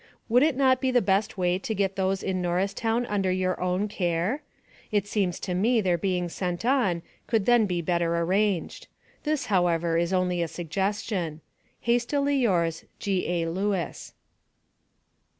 Would it not be the best way to get those in Norristown under your own care? It seems to me their being sent on could then be better arranged. This, however, is only a suggestion, Hastily yours, G.A. LEWIS.